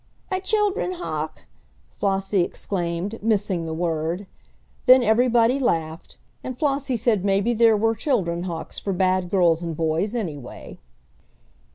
"A children hawk!" Flossie exclaimed, missing the word. Then everybody laughed, and Flossie said maybe there were children hawks for bad girls and boys, anyway.